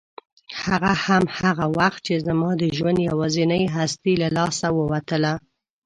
هغه هم هغه وخت چې زما د ژوند یوازینۍ هستي له لاسه ووتله.